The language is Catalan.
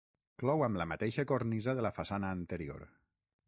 Clou amb la mateixa cornisa de la façana anterior.